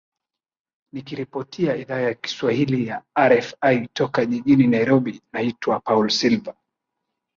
nikiripotia idhaa ya kiswahili ya rfi toka jijini nairobi naitwa paul silver